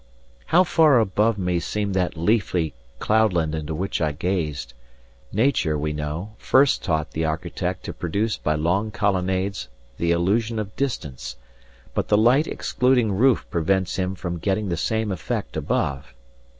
How far above me seemed that leafy cloudland into which I gazed! Nature, we know, first taught the architect to produce by long colonnades the illusion of distance; but the light excluding roof prevents him from getting the same effect above.